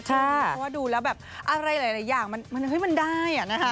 เพราะว่าดูแล้วแบบอะไรหลายอย่างมันได้นะคะ